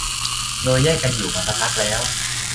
โดยแยกกันอยู่มาสักพักแล้ว